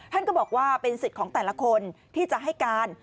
ท่านก็บอกว่าเป็นสิทธิ์ของแต่ละคนที่จะให้การ